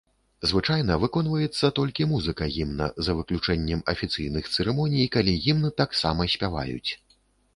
Звычайна выконваецца толькі музыка гімна, за выключэннем афіцыйных цырымоній, калі гімн таксама спяваюць.